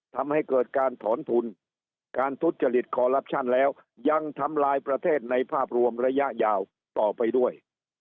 ทำให้เกิดการถอนทุนการทุจริตคอลลับชั่นแล้วยังทำลายประเทศในภาพรวมระยะยาวต่อไปด้วย